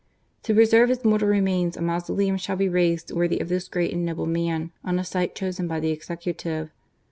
To preserve his mortal remains, a mausoleum shall be raised, worthy of this great and noble man, on a site chosen by the Executive.